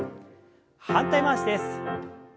反対回しです。